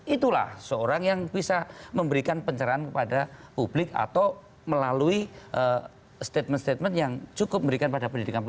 itulah seorang yang bisa memberikan pencerahan kepada publik atau melalui statement statement yang cukup memberikan pada pendidikan publik